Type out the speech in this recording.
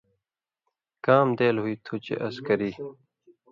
کام دېل ہُوئ تُھو چے اس کری۔